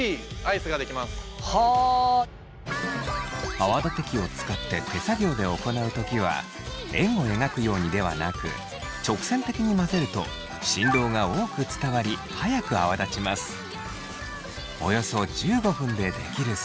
泡立て器を使って手作業で行う時は円を描くようにではなく直線的に混ぜるとおよそ１５分で出来るそう。